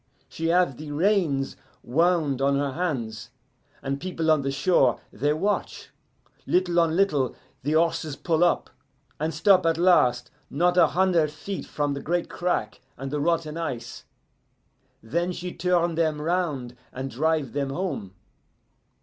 She have the reins wound on her hands, and people on the shore, they watch. Little on little the horses pull up, and stop at last not a hunder' feet from the great crack and the rotten ice. Then she turn them round and drive them home.